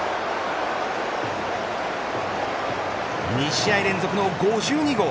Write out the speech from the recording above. ２試合連続の５２号。